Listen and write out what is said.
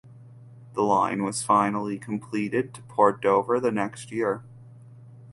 The line was finally completed to Port Dover the next year.